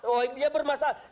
oh iya bermasalah